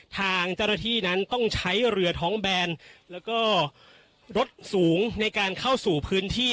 ทางเจ้าหน้าที่นั้นต้องใช้เรือท้องแบนแล้วก็รถสูงในการเข้าสู่พื้นที่